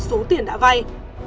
số tiền đã vay